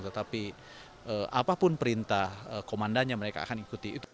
tetapi apapun perintah komandannya mereka akan ikuti